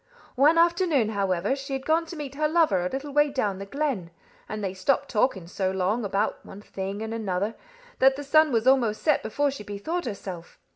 One afternoon, however, she had gone to meet her lover a little way down the glen; and they stopped talking so long, about one thing and another, that the sun was almost set before she bethought herself.